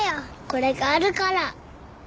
これがあるから。